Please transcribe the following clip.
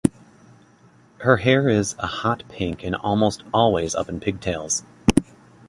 Her hair is a hot pink and almost always up in pigtails.